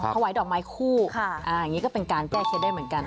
ถวายดอกไม้คู่อย่างนี้ก็เป็นการแก้เคล็ดได้เหมือนกัน